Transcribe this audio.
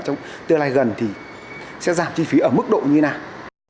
trong tương lai gần thì sẽ giảm chi phí ở mức độ như thế nào